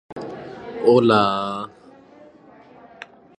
Al desbordar la laguna a esa altitud formaría una cascada.